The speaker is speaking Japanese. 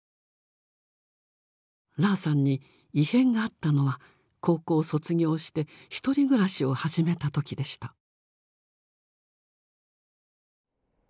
ラーさんに異変があったのは高校を卒業してひとり暮らしを始めた時でした。